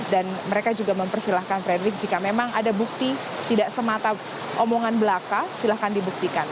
dan mereka juga mempersilahkan frederick jika memang ada bukti tidak semata omongan belaka silahkan dibuktikan